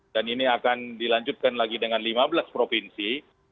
dan ini akan dilanjutkan lagi dengan lima belas provinsi